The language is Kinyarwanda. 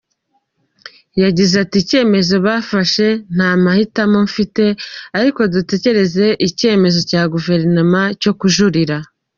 Yagize ati “Icyemezo bafashe nta mahitamo mfite ariko dutegereje icyemezo cya Guverinoma cyo kujurira.